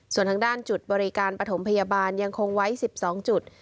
ส่วนทางด้านจุดบริการปฐมพยาบาลยังคงไว้๑๒จุด